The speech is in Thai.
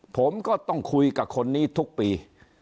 ผมก็ต้องคุยกับคนนี้ทุกปี